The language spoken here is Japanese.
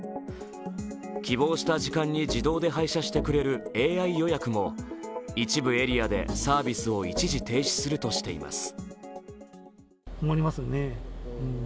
希望した時間に自動で配車してくれるＡＩ予約も一部エリアでサービスを一時停止するとしています。